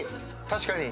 確かに。